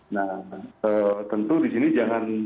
nah tentu di sini jangan